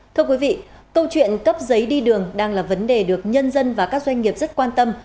thưa quý vị câu chuyện cấp giấy đi đường đang là vấn đề được nhân dân và các doanh nghiệp rất quan tâm